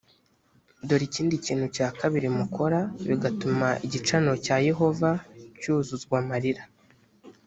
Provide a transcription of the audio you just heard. dore ikindi kintu cya kabiri mukora bigatuma igicaniro cya yehova cyuzuzwa amarira